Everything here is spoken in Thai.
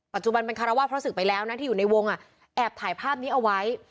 ปัจจุบันเป็นคารวาสเพราะศึกไปแล้วนะที่อยู่ในวงแอบถ่ายภาพนี้เอาไว้